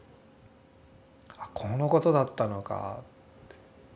あっこのことだったのかって。